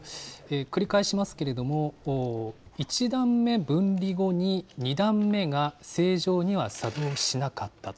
繰り返しますけれども、１段目分離後に、２段目が正常には作動しなかったと？